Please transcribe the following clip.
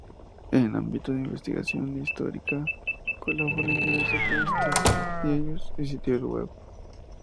En ámbito de investigación histórica, colabora en diversas revistas, diarios y sitios web.